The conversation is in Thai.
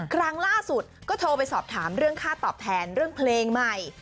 ครั้งล่าสุดก็โทรไปสอบถามเรื่องค่าตอบแทนเรื่องเพลงใหม่